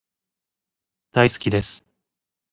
大好きです